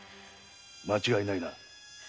間違いないな。